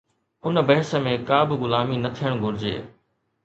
ان بحث ۾ ڪا به غلامي نه ٿيڻ گهرجي